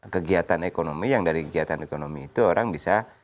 kegiatan ekonomi yang dari kegiatan ekonomi itu orang bisa